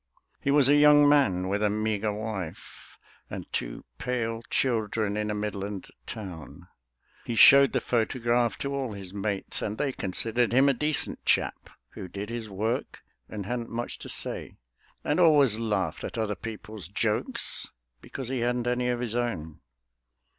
He was a young man with a meagre wife And two pale children in a Midland town; He showed the photograph to all his mates; And they considered him a decent chap Who did his work and hadn't much to say, And always laughed at other people's jokes Because he hadn't any of his own.